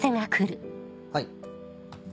はい。